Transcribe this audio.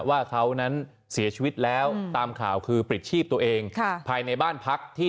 ว่าเขานั้นเสียชีวิตแล้วตามข่าวคือปลิดชีพตัวเองภายในบ้านพักที่